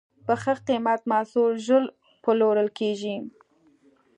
په ښه قیمت محصول ژر پلورل کېږي.